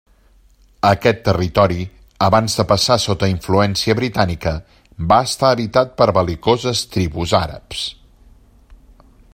Aquest territori abans de passar sota influència britànica, va estar habitat per bel·licoses tribus àrabs.